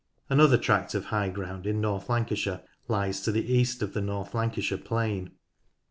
Another tract of high ground in North Lancashire lies to the east of the North Lancashire plain.